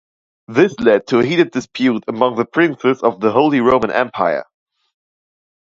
This led to a heated dispute among the princes of the Holy Roman Empire.